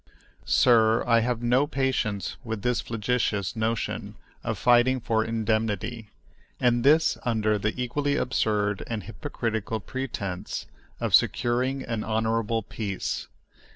Sir, I have no patience with this flagitious notion of fighting for indemnity, and this under the equally absurd and hypocritical pretense of securing an honorable peace.